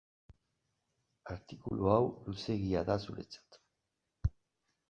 Artikulu hau luzeegia da zuretzat.